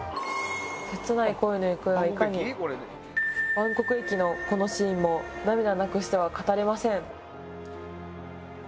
切ない恋の行方はいかにバンコク駅のこのシーンも涙なくしては語れません。